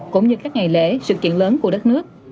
cũng như các ngày lễ sự kiện lớn của đất nước